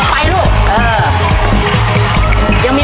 มาดอกที่สองมา